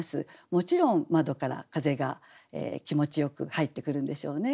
もちろん窓から風が気持ちよく入ってくるんでしょうね。